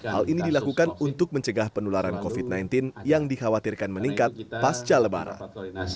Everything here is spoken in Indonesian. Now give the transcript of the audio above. hal ini dilakukan untuk mencegah penularan covid sembilan belas yang dikhawatirkan meningkat pasca lebaran